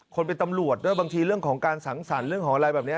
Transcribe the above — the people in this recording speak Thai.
คนเป็นตำรวจด้วยบางทีเรื่องของการสังสรรค์เรื่องของอะไรแบบนี้